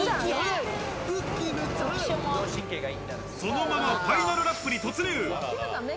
そのままファイナルラップに突入。